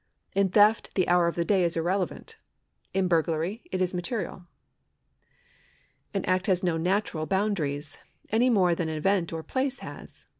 In theft the hour of the day is irrelevant ; in burglary it is material. An act has no natural boundaries, any more tlian an event or a place has.